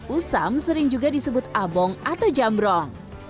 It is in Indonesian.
usam sering juga disebut abong atau jambrong